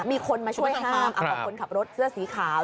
มีคนมาช่วยห้ามกับคนขับรถเสื้อสีขาว